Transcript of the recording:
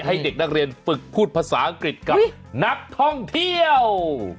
ให้เด็กนักเรียนฝึกพูดภาษาอังกฤษกับนักท่องเที่ยว